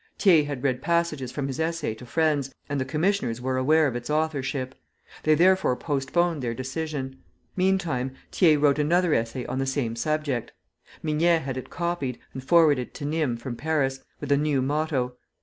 Thiers had read passages from his essay to friends, and the commissioners were aware of its authorship. They therefore postponed their decision. Meantime Thiers wrote another essay on the same subject. Mignet had it copied, and forwarded to Nîmes from Paris, with a new motto.